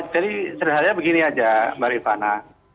jadi sederhana begini aja mbak rifana